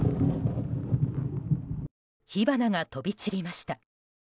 火花が飛び散りました。